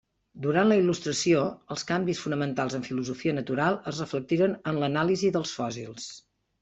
Durant la Il·lustració, els canvis fonamentals en filosofia natural es reflectiren en l'anàlisi dels fòssils.